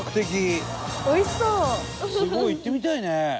すごい！行ってみたいね。